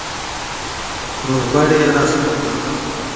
روغبړ يې راسره کاوه.